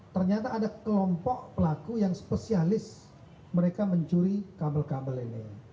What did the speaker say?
ternyata ada kelompok pelaku yang spesialis mereka mencuri kabel kabel ini